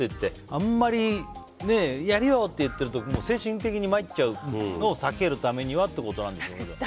あんまり、やるよ！って言って精神的に参っちゃうのを避けるためにはということなんでしょうね。